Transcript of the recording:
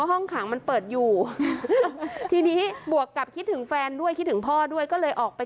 ตอนนั้นเขาคิดอย่างไรก่อนที่เขาที่ออกไป